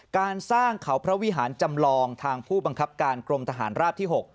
การสร้างเขาพระวิหารจำลองทางผู้บังคับการกรมทหารราบที่๖